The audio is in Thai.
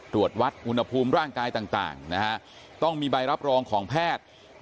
ตรวจวัดอุณหภูมิร่างกายต่างนะฮะต้องมีใบรับรองของแพทย์